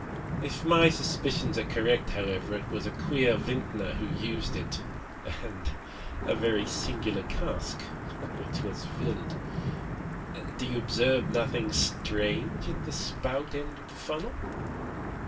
If my suspicions are correct, however, it was a queer vintner who used it, and a very singular cask which was filled. Do you observe nothing strange at the spout end of the funnel."